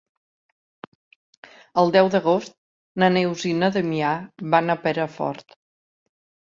El deu d'agost na Neus i na Damià van a Perafort.